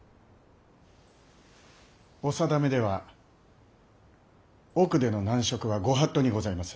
お定めでは奥での男色は御法度にございます。